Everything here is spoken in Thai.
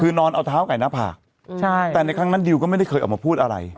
คือนอนเอาเท้าไก่หน้าผากแต่ในครั้งนั้นดิวก็ไม่ได้เคยออกมาพูดอะไร